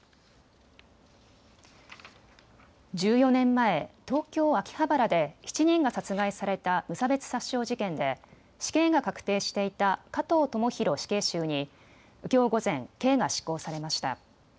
１４年前、東京秋葉原で７人が殺害された無差別殺傷事件で死刑が確定していた加藤智大死刑囚にきょう午前、刑が執行されました。